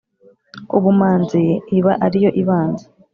"Ubumanzi" iba ari yo ibanza